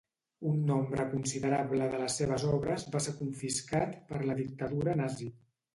Un nombre considerable de les seves obres va ser confiscat per la dictadura nazi.